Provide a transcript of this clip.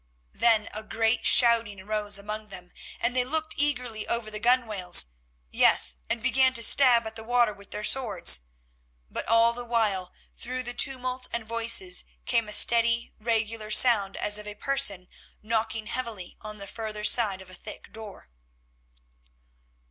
Then a great shouting arose among them, and they looked eagerly over the gunwales; yes, and began to stab at the water with their swords. But all the while through the tumult and voices came a steady, regular sound as of a person knocking heavily on the further side of a thick door.